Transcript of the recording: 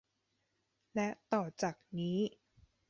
และต่อจากนี้